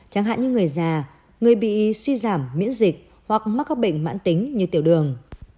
chẳng hạn như người già người bị suy giảm miễn dịch hoặc mắc các bệnh mãn tính như tiểu đường